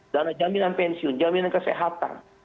dana jaminan pensiun jaminan kesehatan